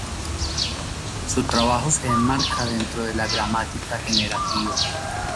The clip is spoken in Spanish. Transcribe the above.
Su trabajo se enmarca dentro de la gramática generativa.